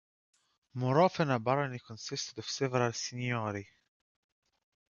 More often, a barony consisted of several signorie.